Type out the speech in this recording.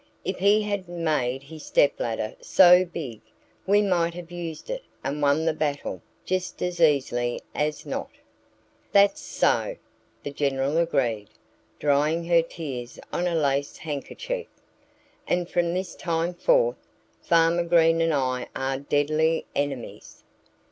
"If he hadn't made his stepladder so big we might have used it and won the battle just as easily as not." "That's so!" the General agreed, drying her tears on a lace handkerchief. "And from this time forth, Farmer Green and I are deadly enemies!"